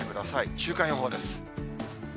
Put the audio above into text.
週間予報です。